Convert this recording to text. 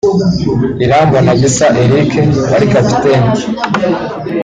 Irambona Gisa Eric wari kapiteni